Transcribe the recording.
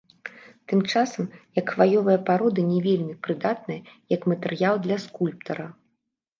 Тым часам як хваёвыя пароды не вельмі прыдатныя як матэрыял для скульптара.